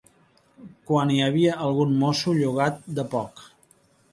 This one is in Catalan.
Quan hi havia algun mosso llogat de poc